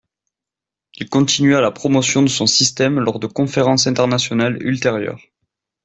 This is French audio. Il continua la promotion de son système lors de conférences internationales ultérieures.